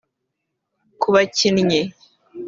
Ku bakinnyi